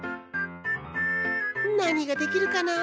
なにができるかな？